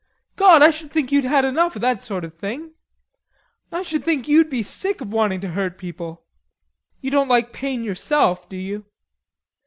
"God, I should think you'ld have had enough of that sort of thing.... I should think you'ld be sick of wanting to hurt people. You don't like pain yourself, do you?"